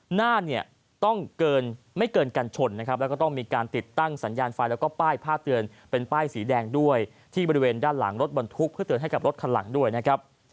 หน้าเนี่ยต้องเกินไม่เกินกันชนนะครับแล้วก็ต้องมีการติดตั้งสัญญาณไฟแล้วก็ป้ายผ้าเตือนเป็นป้ายสีแดงด้วยที่บริเวณด้านหลังรถบรรทุกเพื่อเตือนให้กับรถคันหลังด้วยนะครับ